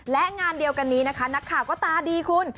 และงานเดียวกันนี้นะคะนักข่าวก็ตาดีคุณ